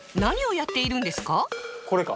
これか？